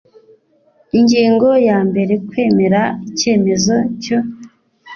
Ingingo ya mbere Kwemera icyemezo cyo